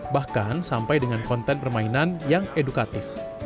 bahkan sampai dengan konten permainan yang edukatif